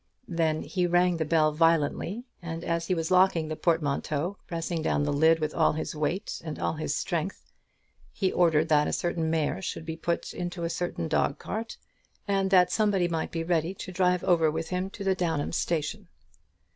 Then he rang the bell violently; and as he was locking the portmanteau, pressing down the lid with all his weight and all his strength, he ordered that a certain mare should be put into a certain dog cart, and that somebody might be ready to drive over with him to the Downham Station.